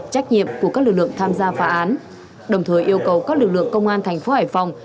trách nhiệm của các lực lượng tham gia phá án đồng thời yêu cầu các lực lượng công an thành phố hải phòng